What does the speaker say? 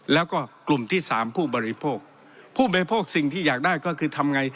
แล้วก็กลุ่มที่สามผู้บริโภคผู้บริโภคสิ่งที่อยากได้ก็คือทำไง